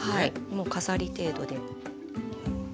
もう飾り程度で。